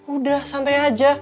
udah santai aja